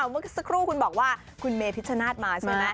เมื่อสักครู่คุณบอกว่าคุณเมพิชชนาธิ์มาใช่ไหม